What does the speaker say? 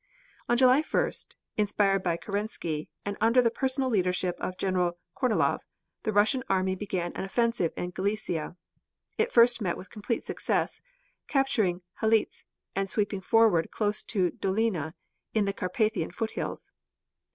On July 1st, inspired by Kerensky, and under the personal leadership of General Kornilov, the Russian army began an offensive in Galicia. It first met with complete success, capturing Halicz, and sweeping forward close to Dolina in the Carpathian foothills.